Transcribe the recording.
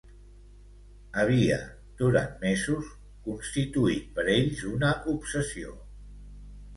Havia, durant mesos, constituït per ells una obsessió